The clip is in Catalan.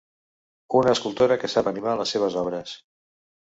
Una escultora que sap animar les seves obres.